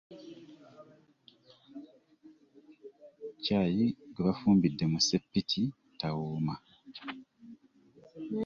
Caayi gwe bafumbidde mu sseppiti tawooma.